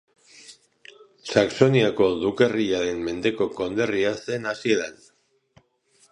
Saxoniako dukerriaren mendeko konderria zen hasieran.